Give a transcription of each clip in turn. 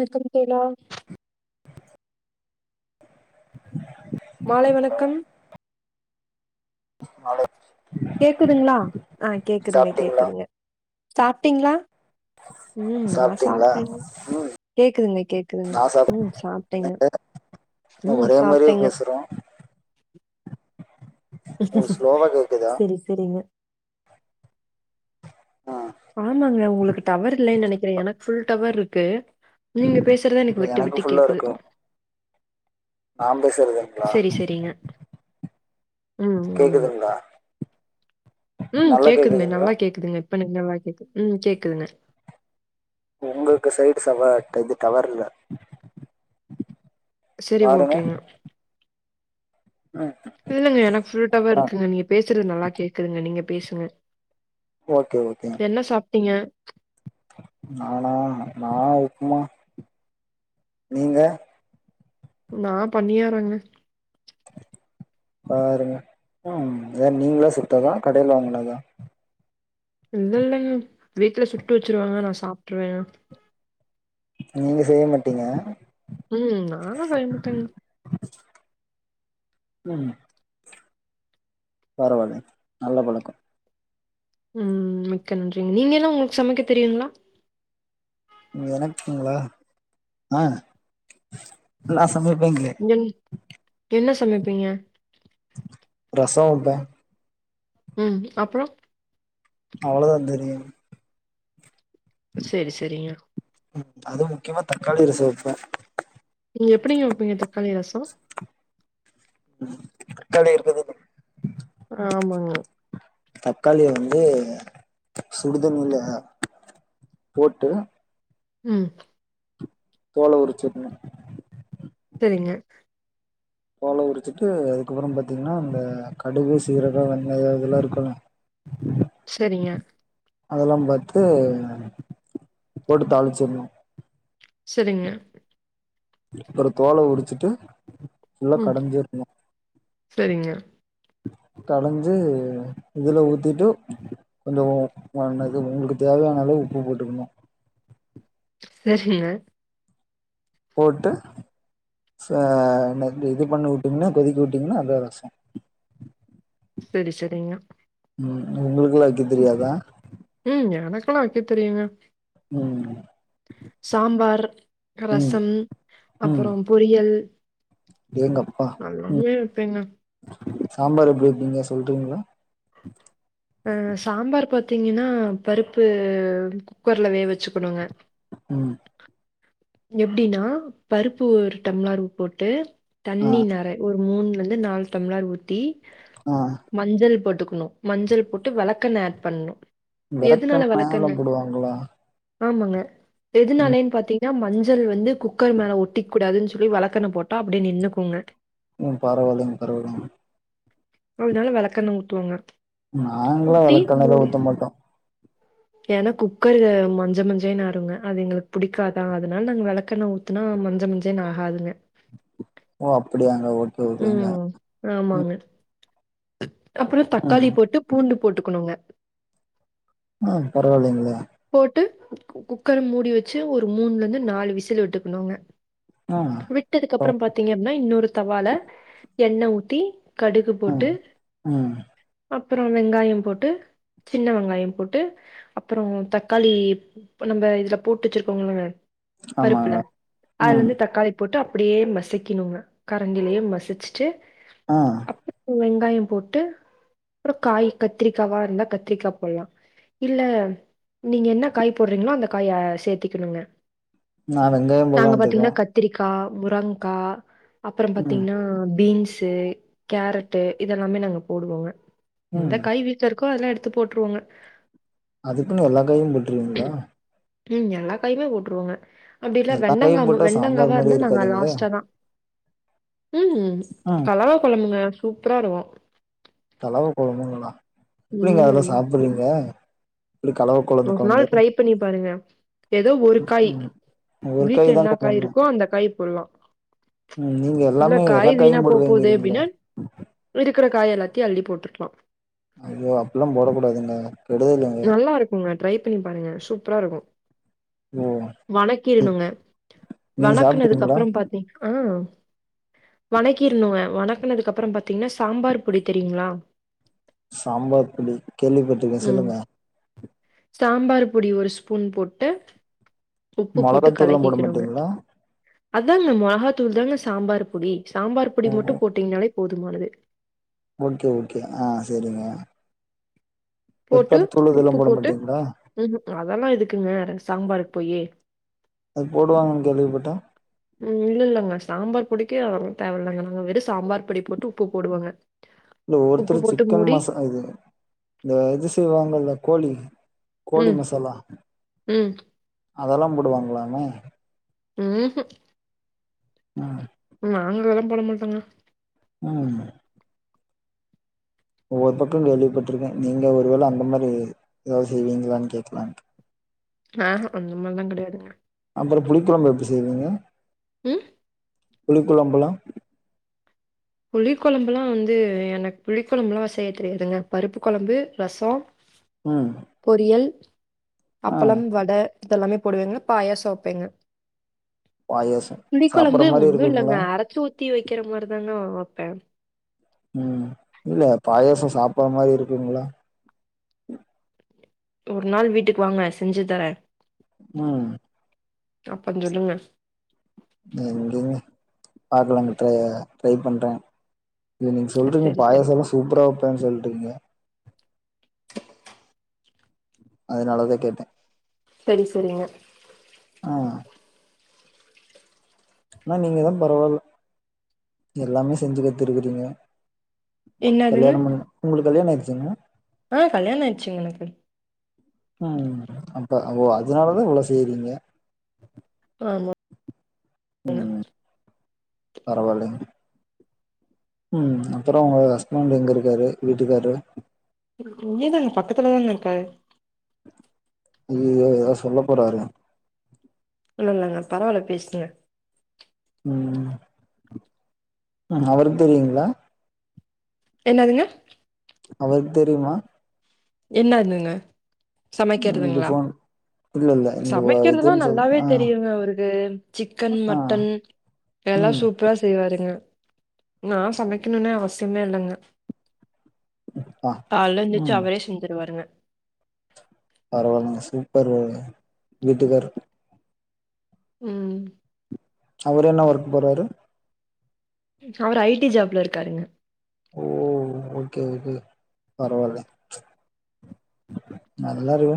Wickham கேலா [inaudible] மாலை வணக்கம் [inaudible] [unintelligible] கேக்குதுங்களா ஆங் கேக்குதுங்க சாப்பிட்டீங்களா கேக்குதுங்க சாப்பிட்டீங்களா ம் நா சாப்பிட்டீங்களா சாப்ட்டங்க ம் கேக்குதுங்க கேக்குதுங்க நான் சாப்பிட்டேன் ம் சாப்ட்டங்க என்னங்க ம் ஒரே மாதிரியே சாப்ட்டங்க பேசுகிறோம் உங்களுக்கு ஸ்லோவாக கேட்குதா சரி சரிங்க ம் ஆமாங்கா உங்களுக்கு டவர் இல்லன்னு நினைக்கிற எனக்கு ஃபுல் டவர் இருக்கு நீங்க பேசுறது எனக்கு விட்டு விட்டு கேக்குது நா பேசரதுங்களா தீங்க ம் ஆமாங்க கேட்குதுங்களா ம் நல்லா கேக்குதுங்க கேட்குதுங்களா நல்லா கேக்குதுங்க இப்ப எனக்கு நல்ல கேக்குது ம் கேக்குதுங்க உங்களுக்கு சைடு சவ இது டவர் இல்ல சரி ஓகேங்க ம் இல்லங்க எனக்கு ஃபுல் டவர் ஆ இருக்குங்க நீங்க பேசுறது நல்லா கேக்குதுங்க நீங்க பேசுங்க ஓகே ஓகே ங்க என்ன சாப்ட்டீங்க நானா நா உப்புமா நீங்க நா பண்ணியாறங்க பாருங்க ம் ஏது நீங்களா சுட்டாதா கடைல வாங்கனதா இல்ல இல்லங்க வீட்டுல சுட்டு வச்சருவாங்க நா சாப்ட்டுருவ நீங்க செய்ய மாட்டீங்க ம் நல்லாள செய்ய மாடங்க ம் பரவாயில்ல நல்ல பழக்கம் ம் மிக்க நன்றிங்க நீங்க எல்லா உங்களுக்கு சமைக்க தெரியுங்ளா நீ எனக்குங்ளா ஆ நா சமைப்பேங்க இங்கன் என்ன சமைப்பீங்க ரச வெப்பே ம் அப்றோ அவளதா தெரியு சேரி சேரிங்க ம் அது முக்கியமா தக்காளி ரச வெப்பே நீங்க எப்டிங்க வப்பீங்க தக்காளி ரச தக்காளி இருக்குதுல்லைங் ஆமாங்க தக்காளிய வந்து சுடுதண்ணில போட்டு ம் தோல உறிச்சிர்ணு செரிங்க தோல உரிச்சிட்டு அதுக்கப்பற பாத்தீங்னா அந்த கடுகு சீரக வெந்தய இதெல்லா இருக்குல்ல செரிங்க அதெல்லா பாத்து போட்டு தாளிச்சிற்னு செரிங்க அப்பற தோல உரிச்சிட்டு ஃபுல்லா கடஞ்சிர்ணு செரிங்க கடஞ்சு இதுல ஊத்திட்டு கொஞ்ச உப்பானது உங்களுக்கு தேவையான அளவு உப்பு போட்டுக்கணு செரிங்க போட்டு ச என்னத் இந்த இது பண்ணி விட்டீங்னா கொதிக்க விட்டீங்னா அதா ரச செரி செரிங்க ம் உங்களுக்குலா வெக்க தெரியாதா ம் எனக்குலா வெக்க தெரியுங்க ம் சாம்பார் ம் ரசம் அப்பறோ பொரியல் அடேங்கப் நீங்க வெப்பீங்ளா சாம்பார் எப்டி வெப்பீங்க சொல்றீங்ளா அ சாம்பார் பாத்தீங்கனா பருப்பு குக்கர்ல வேக வெச்சுக்கணுங்க ம் எப்டினா பருப்பு ஒரு டம்ளாரு போட்டு ஆ தண்ணி நெறை ஊ மூணுலருந்து நாலு டம்ளர் ஊத்தி ஆ மஞ்சள் போட்டுக்கணு மஞ்சள் போட்டு வெலக்கெண்ணெ ஆட் பண்ணு வெலக்கெண்ணெலா போடுவாங்களா ஆமாங்க ம் எதுனாலைன் பாத் ங்னா மஞ்சள் வந்து குக்கர் மேல ஒட்டிக் கூடாதுன் சொல்லி வெலக்கெண்ணெ போட்டா அப்டியே நின்னுக்குங்க ம் பரவால்லைங் பரவால்லைங் அதுனால வெலக்கெண்ணெ ஊத்துவோங்க நாங்களா ஊத்தி வெளக்கெண்ணலா மூடி ஊத்த மாட்டோ ஏன்னா குக்கரு மஞ்ச மஞ்சேன்னு ஆயிருங்க அது எங்களுக்கு புடிக்கா அ அதுனால நாங்க விளக்கெண்ண ஊத்துனா மஞ்ச மஞ்சேன்னு ஆகாதுங்க ஓ அப்டியாங்க ஓகே ஓகேங்க ம் ம் ஆமாங்க அப்புறோ ம் தக்காளி போட்டு பூண்டு போட்டுக்கணுங்க அ பரவாயில்லைங்களே போட்டு குக்கர மூடி வச்சு ஒரு மூணுல இருந்து நாலு விசிலு விட்டுக்கணுங்க அ விட்டதுக்கப்பறம் பாத்தீங்க அப்டின்னா இன்னொரு தவால எண்ண ஊத்தி கடுகு ம் போட்டு ம் அப்பறோ வெங்காயம் போட்டு சின்ன வெங்காயம் போட்டு அப்பறோ தக்காளி நம்ம இதுல போட்டு வச்சிருக் கோங்கில்லங்க ஆமாங்க பருப்புல அதுல ம் இருந்து தக்காளி போட்டு அப்டியே மசைக்கிணுங்க கரண்டிலயே மசிச்சுட்டு ஆ அப்பப்போ வெங்காயம் போட்டு அப்புறோ காய் கத்திரிக்காவா இருந்தா கத்திரிக்கா போடலா இல்ல நீங்க என்ன காய் போடுறீங்களோ அந்த காய சேர்த் திக்கணுங்க நா வெங்காயம் நாங்க போடலான்ட்டு இருக்கே பாத்தீங்கன்னா கத்திரிக்கா முரங்கா அப்பறோ ம் பாத்தீங்கன்னா பீன்ஸு கேரட்டு இதெல்லாமே நாங்க போடுவோங்க எந்த ம் காயி வீட்டுல இருக்கோ அதெல்லா எடுத்து போட்டுருவோங்க அதுக்குன்னு எல்லா காயு போட்டுருவீங்களா ம் எல்லா காயுமே போட்டுருவோங்க அப்டில்ல எல்லா காயும் வெண்டங்காமு போட்டா சாம்பார் வெண்டங்காவா மாரியே இருந்தா நாங்க இருக்காதுங்களே லாஸ்ட்லதா ம் ம். கலவ கொழம்புங்க சூப்பரா இருக்கு தலவ கொழம்புங்களா எப்டிங்க அதெல்லா ம். சாப்டுறீங்க இப்டி கலவ கொழம்பு ஒரு கொழம்பு நாள் ட்ரை பண்ணி பாருங்க எதோ ஒரு காய் ம் ஒரு வீட்ல என்ன தாங்க காய் போடணு இருக்கோ அந்த காய் போடலா ம் நீங்க இல்ல எல்லாமே எல்லா காய் காயு வீணா போ போதே போடுவேங்கிறீங்களே அப்டினா இருக்குற காய் எல்லாத்தையு அள்ளி போட்டுக்கலா அய்யோ அப்டில்லா போடக்கூடாதுங்க கெடுதலுங்க நல்லா இருக்குங்க ட்ரை பண்ணி பாருங்க சூப்பரா இருக்கு ஓ வணக்கீறுணுங்க நீங்க வணக்குனதுக்கு சாப்ட்டீங்களா அப்பறோ பாத்தீங்கன்னா வணக்கீறுனுங்க வணக்குனதுக்கு அப்பறோ பாத்தீங்கன்னா சாம்பார் பொடி தெரியுங்களா சாம்பார் பொடி கேள்விப்பட்டுருக்கே ம் சொல்லுங்க சாம்பார் பொடி ஒரு ஸ்பூன் போட்டு உப்பு போட்டு மொளகாத்தூள்லா போட கலக்கிக்கிடோங்க மாட்டீங்களா அதாங்க மொளகாத்தூள் தாங்க சாம்பார் பொடி சாம்பார் பொடி மட்டும் போட்டீங்கனாலே போதுமானது ஓகே ஓகே அ செரிங்க போட்டு இதெல்லா உப்பு போட போட்டு மாட்டீங்களா ம் ம் அதெல்லா எதுக்குங்க சாம்பாருக்கு போயி உப்பு போடுவாங்கன்னு கேள்விப்பட்டே ம் இல்ல இல்லங்க சாம்பார் பொடிக்கு அதெல்லா தேவ இல்லங்க நாங்க வெறு சாம்பார் பொடி போட்டு உப்பு போடுவோங்க இல்ல உப்பு ஒருத்தரு போட்டு சிக்கன் மூடி மசா இது இந்த இது செய்வாங்கல்ல கோழி கோழி ம் மசாலா ம் அதெல்லா போடுவாங்களாமே ம் ம் ம் நாங்களு அதா போட மாட்டோங்க ம் ஒவ்வொரு பக்கோ கேள்விப்பட்டிருக்கே நீங்க ஒருவேல அந்த மாரி எதாது செய்வீங்களான்னு கேக்கலான்ட்டு [inaudible] ஆஹ அந்த மார்லா கெடையாதுங்க அப்பறோ புளிக்கொழம்பு எப்டி செய்வீங்க ம் புளிக்கொழம்புலா புளி கொழம்புலா வந்து எனக்கு புளிக்கொழம்புலா செய்ய தெரியாதுங்க பருப்பு கொழம்பு ரசோ ம் பொரியல் ஆ அப்பளம் வட இதெல்லாமே போடுவேங்க பாயாசொ வைப்பேங்க பாயாசோ புளி சாப்புட்ற கொழம்பு மாரி ஒன்னு இல்லங்க இருக்குங்களா அரச்சு ஊத்தி வைக்கிற மாரிதாங்க வப்பே ம் இல்ல பாயாசொ சாப்புற மாரி இருக்குங்களா ஒரு நாள் வீட்டுக்கு வாங்க செஞ்சு தரே ம் அப்போ சொல்லுங்க எங்கேங்க பாக்கலாங் ட்ர ட்ரை பண்றே இ நீங் சொல்றீங்க சரி, சரி. பாயாசலா சூப்பரா வப்பேன்னு சொல்றீங்க அதனாலதா கேட்ட செரி செரிங்க ஆ ஆனா நீங்கதா பரவால எல்லாமே செஞ்சு கத்துருக்றீங்க என்னதுங்க? கல்யாணம் பண்ணுனா உங்களுக் கல்யாணொ ஆயிருச்சாங்க ஆ கல்யாண ஆயிச்சுங்க எனக்கு ம் அப்ப ஓ அதனாலதா இவ்ளோ செய்றீங்க ஆமா [inaudible] பரவாலேங்க ம் அப்பறொ ஒங்க ஹஸ்பண்ட் எங்க இருக்காரு வீட்டுக்காரு இங்கியேதாங்க பக்கத்துலதாங்க இருக்காரு ஐயயோ எதோ சொல்ல போறாரு இல்லல்லங்க பரவால பேசுங்க ம் அவருக் தெரியுங்களா என்னதுங்க அவருக்கு தெரியுமா இல்ல இல்லங்க ம் இப்டி ஃபோன் இல்ல இல்ல இந்த வ சமைக்கிறதுனா இதுன்னு சொல்ட்டு நல்லாவே ஆ, தெரியுங்க அவருக்கு சிக்கன் ஆ, மட்டன் எல்லா ம், சூப்பரா செய்வாருங்க நா சமைக்கணுனே அவசியமே இல்லங்க ஆ, கால்ல எந்துருச்சி ம். அவரே செஞ்சிருவாருங்க பரவாலங்க சூப்பருங்க வீட்டுக்கார் ம் அவர் என்ன ஒர்க் போறாரு அவர் ஐ டி ஜாப்ல இருக்காருங்க ஓ ஓகே ஓகே பரவால நல்லாருங்க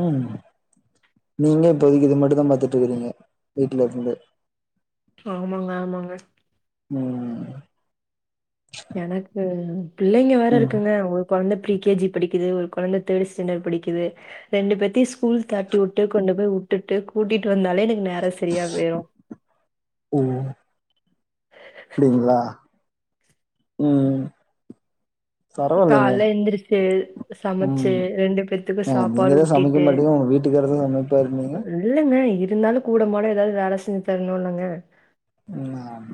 ம் நீங்க இப்போதைக்கு இது மட்டுந்தா பாத்துட்டுருக்றீங்க வீட்ல இருந்து ஆமாங்க ஆமாங்க ம் எனக்கு பிள்ளைங்க வேற ம். இருக்குங்க ஒரு கொழந்த பிரீ கேஜி படிக்கிது ஒரு கொழந்த தேர்டு ஸ்டாண்டர்டு படிக்கிது ரெண்டு பேத்தியு ஸ்கூல் தாட்டி வுட்டு கொண்டு போய் வுட்டுட்டு கூட்டிட்டு வந்தாலே எனக்கு நேரோ சரியாப் போயிரு ம் ப்டிங்ளா ம் பரவாலைங்க கால்ல எந்திரிச்சு சமச்சு ம் ரெண்டு பேத்துக்கு ஏங்க சாப்பாடு நீங்கதா சமைக்க ஊட்டிட்டு மாட்டிங்க உங்க வீட் டுக்காருதா சமைப்பார்னிங்க இல்லங்க இருந்தாலு கூட மாட எதாவது வேல செஞ்சு தர்ணுல்லங்க ம் ஆன்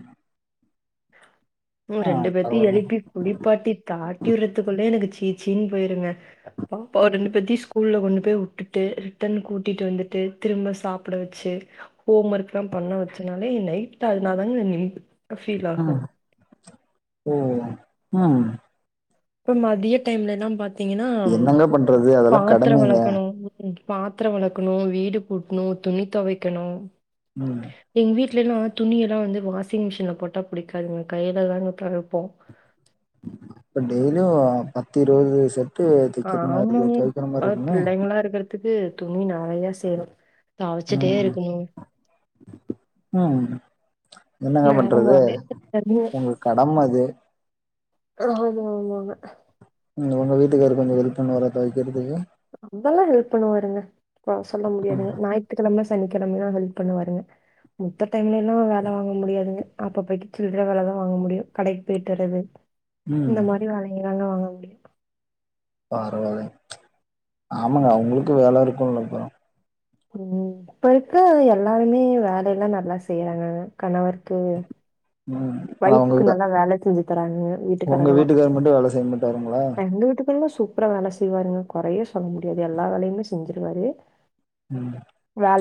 ம் ரெண்டு பேத்தியு பரவால்ல எழுப்பி குளிப்பாட்டி தாட்டி வுர்றதுக்குள்ளையே எனக்கு சீ சீன் போயிருங்க பாப்பா ரெண்டு பேத்தியு ஸ்கூல்ல கொண்டு போய் வுட்டுட்டு ரிட்டன் கூட்டிட்டு வந்துட்டு திரும்ப சாப்ட வச்சு ஹோம் ஒர்க்குலாம் பண்ண வச்சனாலே நைட்டா அதனால் தாங்க நீம் ஃபீல் ஆகு ம் ஓ ம் அப்றோ மதிய டைம்லலாம் பார்த்தீங்கனா என்னங்க பண்றது அதெல்லா பாத்ரோ கடமைங்க வெளக்கணு ம் பாத்ரோ வெளக்கணு வீடு கூட்ணு துணி தொவைக்கணு ம் எங் வீட்லலா துணியலா வந்து வாஷிங் மிஷின்ல போட்டா புடிக்காதுங்க கையிலதாங்க தொவைப்போ இப்ப டெய்லியு பத்து இருவது செட்டு தெக்கிற மாரி தொவைக்கிற மார்ருக்குமே துகு துணி நெறையா சேரு தொவச்சிட்டே ம் இருக்குணு ம் என்னங்க நேரம் பண்றது போறதே தெரியாதுங்க வுங்க கடம அது ஆமா ஆமாங்க ம் உங்க வீட்டுக்காரு கொஞ்சோ ஹெல்ப் பண்ணுவாரா தொவைக்கிறதுக்கு அதெல்லா ஹெல்ப் பண்ணுவாருங்க பா சொல்ல முடியாதுங்க ஞாய்த் த்துக்கெழம சனிக்கெழமைலா ஹெல்ப் பண்ணுவாருங்க முத்த டைம்லே எல்லா வேல வாங்க முடியாதுங்க அப்பப்பய்க்கு சில்ற வேலதா வாங்க முடியு கடைக் போயிட்டு வரது ம் இந்த மாரி வேலைங்கலெல்லா வாங்க முடியு பரவால்லைங் ஆமாங்க அவுங்குளுக்கு வேல இருக்குல்ல அப்பறோ ம் இப்ப இருக்க எல்லாருமே வேலை எல்லா நல்லா செய்யறாங்கங்க கணவருக்கு ம் ஆனா ஒய்ஃபுக்கு உங்க நல்லா வேல செஞ்சித்தராங்க உங்க வீட்டுக்காரங்கலா வீட்டுக்காரு மட்டு வேல செய்ய மாட்டாருங்களா எங்க வீட்டுக்கல்லா சூப் ப்றோ வேல செய்வாருங்க கொறையே சொல்ல முடியாது எல்லா வேலையுமே செஞ்சிருவாரு ம்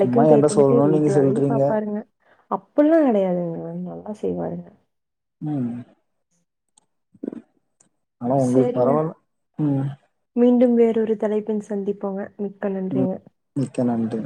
சும்மா என்ட்ட போயிட்டு வந்துட்டு சொல்லணும்னு வீட்டு நீங்க வேலையும் சொல்றீங்க பாப்பாருங்க அப்பில்லா கெடையாதுங்க நல்லா செய்வாருங்க ம் ஆனா உங்களுக்கு சேரிங்க பரவால்ல ம் மீண்டும் வேறு ஒரு தலைப்பின் சந்திப்போங்க மிக்க ம் நன்றிங்க மிக்க நன்றி